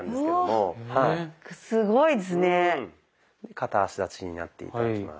片足立ちになって頂きます。